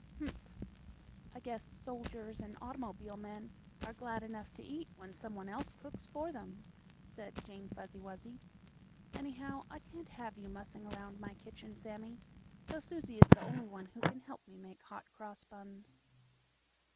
"Humph! I guess soldiers and automobile men are glad enough to eat when some one else cooks for them," said Jane Fuzzy Wuzzy. "Anyhow, I can't have you mussing around my kitchen, Sammie, so Susie is the only one who can help me make Hot Cross Buns."